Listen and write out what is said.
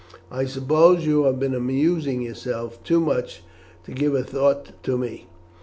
I suppose you have been amusing yourself too much to give a thought to me."